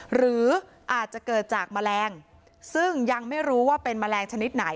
หรืออาจจะเกิดจากแมลงซึ่งยังไม่รู้ว่าเป็นแมลงชนิดไหน